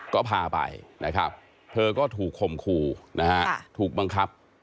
ก็พาไปนะครับเธอก็ถูกคมคู่นะฮะถูกบังคับ